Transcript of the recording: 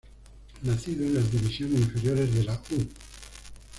Nacido en las divisiones inferiores de la "U".